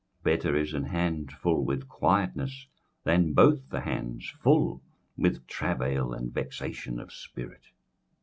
21:004:006 Better is an handful with quietness, than both the hands full with travail and vexation of spirit.